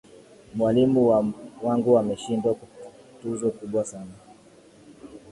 Mwalimu wangu ameshindwa tuzo kubwa sana.